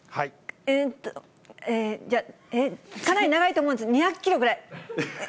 じゃあ、かなり長いと思うんです、２００キロぐらい。